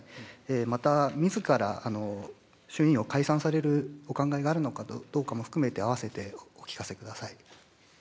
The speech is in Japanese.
また、自ら衆議院を解散されるお考えがあるかどうかも併せてお聞かせください。